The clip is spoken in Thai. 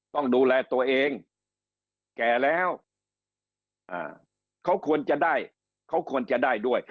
ต้องดูแลตัวเองแก่แล้วเขาควรจะได้เขาควรจะได้ด้วย